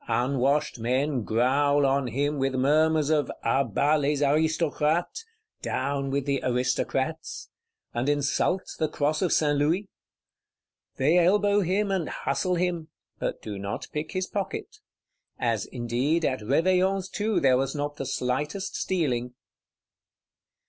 Unwashed men growl on him, with murmurs of 'À bas les Aristocrates (Down with the Aristocrats);' and insult the cross of St. Louis? They elbow him, and hustle him; but do not pick his pocket;—as indeed at Réveillon's too there was not the slightest stealing.